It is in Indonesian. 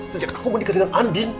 sejak aku menikah dengan andin